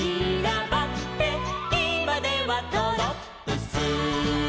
「いまではドロップス」